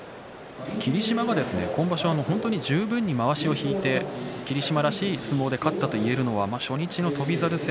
霧島が今場所十分にまわしを引いて霧島らしい相撲で勝ったというのが初日の翔猿戦。